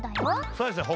そうですね。